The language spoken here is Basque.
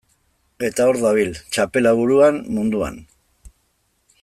Eta hor dabil, txapela buruan, munduan.